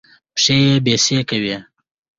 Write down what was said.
پښې يې بېسېکه وې.